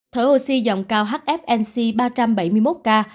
thở oxy dòng cao hfnc ba trăm bảy mươi một k